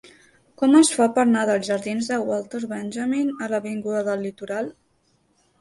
Com es fa per anar dels jardins de Walter Benjamin a l'avinguda del Litoral?